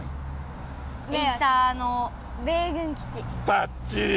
バッチリ！